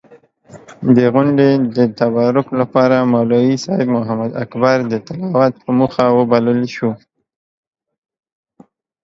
د غونډې د تبرک لپاره مولوي صېب محمداکبر د تلاوت پۀ موخه وبلل شو.